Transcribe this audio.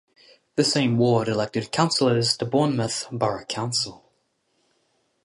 The same ward elected councillors to Bournemouth Borough Council.